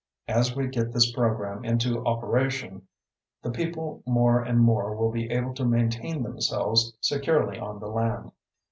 As we get this program into operation the people more and more will be able to maintain themselves securely on the land.